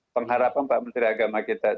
pengharapan pak menteri agama kita